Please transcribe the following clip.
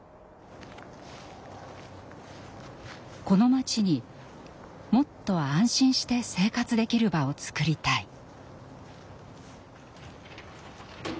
この町にもっと安心して生活できる場をつくりたい。